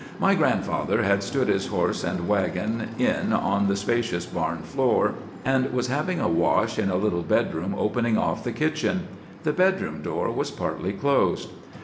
"My grandfather had stood his horse and wagon in on the spacious barn floor, and was having a wash in a little bedroom opening off the kitchen. The bedroom door was partly closed.